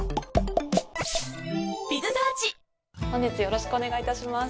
本日よろしくお願いいたします。